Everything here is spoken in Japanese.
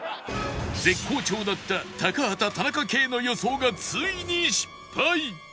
絶好調だった高畑田中圭の予想がついに失敗！